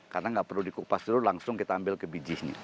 karena nggak perlu dikupas dulu langsung kita ambil ke biji ini